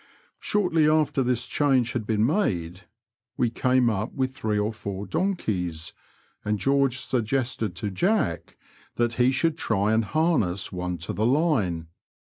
Shortly after this change had been made, we came np with three or four donkeys, and George suggested to Jack that he should try and harness one to the line.